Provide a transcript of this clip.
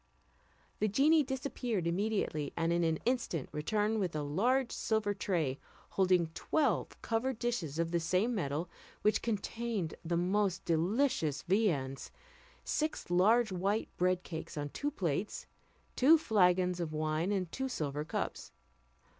The genie disappeared immediately, and in an instant returned with a large silver tray, holding twelve covered dishes of the same metal, which contained the most delicious viands; six large white bread cakes on two plates, two flagons of wine, and two silver cups.